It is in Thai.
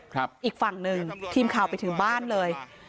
อีกฝั่งหนึ่งทีมข่าวไปถึงบ้านเลย